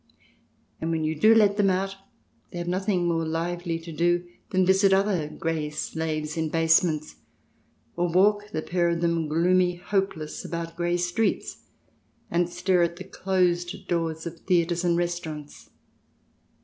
And when you do let them out they have nothing more lively to do than visit other grey slaves in basements, or walk, the pair of them, gloomy, hopeless, about grey streets, and stare at the closed doors of theatres and restaurants.